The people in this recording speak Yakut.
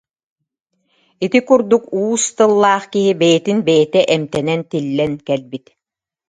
Ити курдук уус тыллаах киһи бэйэтин бэйэтэ эмтэнэн тиллэн кэлбит